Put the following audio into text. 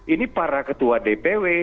ini para ketua dpw